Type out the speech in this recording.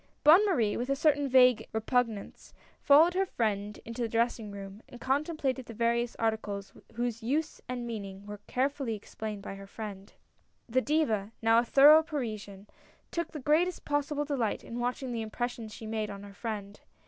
" Bonne Marie, with a certain vague repugnance Followed her friend into the dressing room, and con templated the various articles whose use and meaning, were carefully explained by her friend. A NEW IDEA. 89 The Diva, now a thorough Parisian^ took the greatest possible delight in watching the impression she made on her friend.